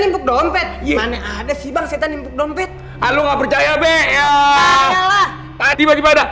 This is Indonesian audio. lipuk dompet gimana ada sih bang setan lipuk dompet halo nggak percaya be ya tiba tiba ada